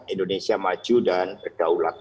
indonesia maju dan bergaulat